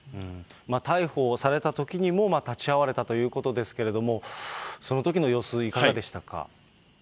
逮捕されたときにも立ち会われたということですけれども、そのときの様子、いかがでしたか。